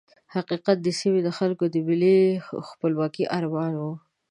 حقیقت د سیمې د خلکو د ملي خپلواکۍ ارمان وو.